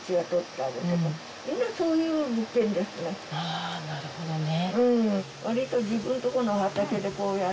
あーなるほどね。